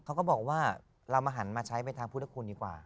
เขาก็บอกว่าเรามาหันมาใช้ไปทางพุทธคุณดีกว่า